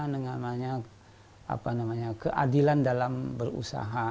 dengan banyak keadilan dalam berusaha